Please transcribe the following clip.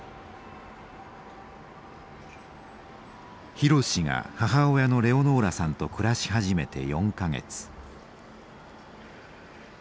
博が母親のレオノーラさんと暮らし始めて４か月。